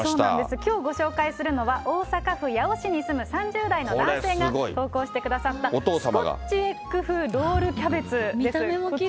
きょうご紹介するのは、大阪府八尾市に住む３これすごい。投稿してくださったスコッチエッグ風ロールキャベツ。